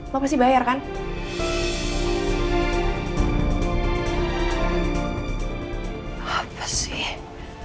lo bisa mencari makanan gratis disini